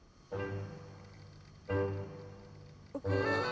あ。